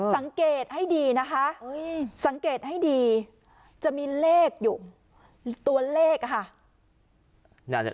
สังเกตให้ดีนะคะสังเกตให้ดีจะมีเลขอยู่ตัวเลขค่ะ